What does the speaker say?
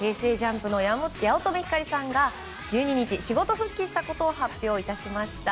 ＪＵＭＰの八乙女光さんが１２日、仕事復帰したことを発表しました。